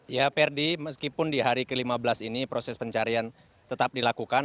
ya perdi meskipun di hari ke lima belas ini proses pencarian tetap dilakukan